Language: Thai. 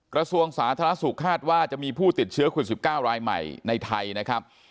กระทรวงสาธารณสุขคาดว่าจะมีผู้ติดเชื้อโควิด๑๙รายใหม่ในไทยนะครับ